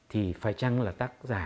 thì phải chăng là tác giả